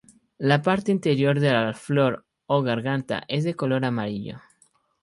La parte interior de la flor o garganta es de color amarillo.